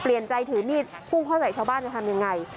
เปลี่ยนใจถือมีดพุ่งเข้าใส่ชาวบ้านจะทำยังไง